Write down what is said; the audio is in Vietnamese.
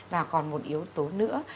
và còn một yếu tố nữa